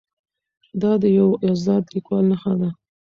دا د یو ازاد لیکوال نښه ده.